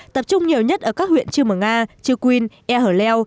tập trung nhiều nhất ở các huyện chư mở nga chư quynh e hở leo